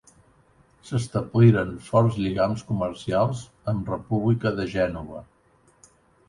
S'establiren forts lligams comercials amb República de Gènova.